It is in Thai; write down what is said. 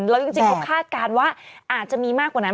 แล้วจริงเขาคาดการณ์ว่าอาจจะมีมากกว่านั้น